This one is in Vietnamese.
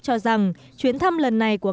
cho rằng chuyến thăm lần này của